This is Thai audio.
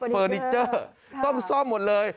เฟอร์นิเจอร์ต้องซ่อมหมดเลย